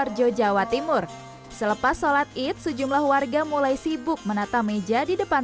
hai sisi doarjo jawa timur selepas sholat id sejumlah warga mulai sibuk menata meja di depan